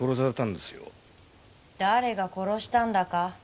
誰が殺したんだか。